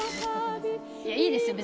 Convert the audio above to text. いやいいですよ